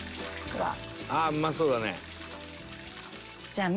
「ああうまそうだね」